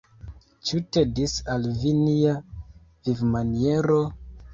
Ĉu tedis al vi nia vivmaniero?